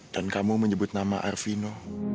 dan kamu menyebut nama arvino